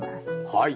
はい。